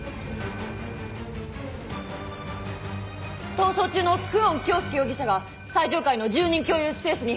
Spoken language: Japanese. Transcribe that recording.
逃走中の久遠京介容疑者が最上階の住人共有スペースに。